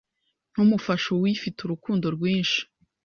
Ntumufasha uwufite urukundo rwinshi